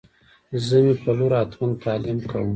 زه می پر لور او هتمن تعلیم کوم